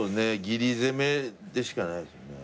ギリ攻めでしかないですよね。